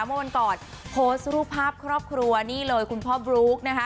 เมื่อวันก่อนโพสต์รูปภาพครอบครัวนี่เลยคุณพ่อบลุ๊กนะคะ